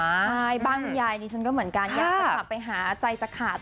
ใช่บ้านคุณยายดิฉันก็เหมือนกันอยากจะกลับไปหาใจจะขาด